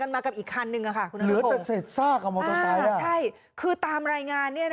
โอ้ยไม่เคยเห็นเลยโอ้ยชัยชาววาย